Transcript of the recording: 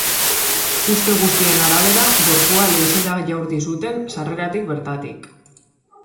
Uste guztien arabera, gorpua leizera jaurti zuten, sarreratik bertatik.